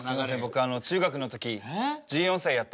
僕中学の時１４歳やったんで。